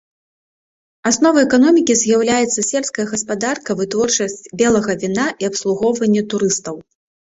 Асновай эканомікі з'яўляюцца сельская гаспадарка, вытворчасць белага віна і абслугоўванне турыстаў.